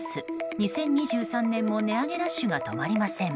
２０２３年も値上げラッシュが止まりません。